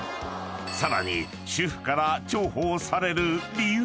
［さらに主婦から重宝される理由が］